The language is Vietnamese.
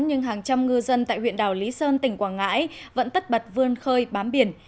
nhưng hàng trăm ngư dân tại huyện đảo lý sơn tỉnh quảng ngãi vẫn tất bật vươn khơi bám biển